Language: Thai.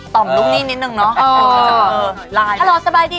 ถ้ารอสบายดี